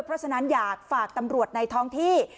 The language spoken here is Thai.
เพราะฉะนั้นอยากฝากตำรวจในท้องที่